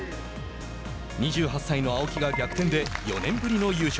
２８歳の青木が逆転で４年ぶりの優勝。